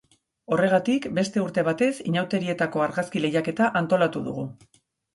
Horregatik, beste urte batez, inauterietako argazki lehiaketa antolatu dugu.